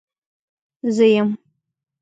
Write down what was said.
زه يم.